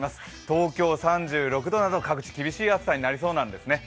東京、３６度など、各地、厳しい暑さになりそうなんですね。